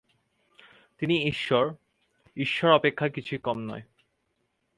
তিনি ঈশ্বর, ঈশ্বর অপেক্ষা কিছু কম নন।